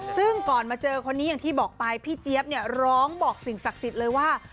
ซึ่งก่อนมาเจอคนนี้อย่างที่บอกไปพี่เจี๊ยบเนี่ยร้องบอกสิ่งศักดิ์สิทธิ์เลยว่า